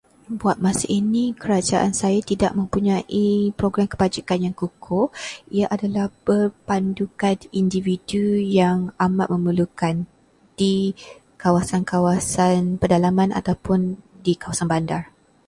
Buat masa ini, kerajaan saya tidak mempunyai program kebajikan yang kukuh. Ia adalah berpandukan kepada individu yang amat memerlukan di kawasan-kawasan pedalaman ataupun di kawasan bandar.